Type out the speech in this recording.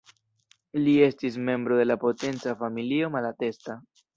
Li estis membro de la potenca familio Malatesta.